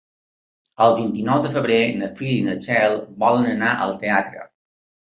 El vint-i-nou de febrer na Frida i na Txell volen anar al teatre.